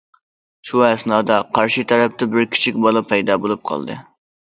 شۇ ئەسنادا قارشى تەرەپتە بىر كىچىك بالا پەيدا بولۇپ قالدى.